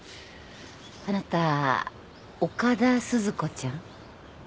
あなた岡田鈴子ちゃん？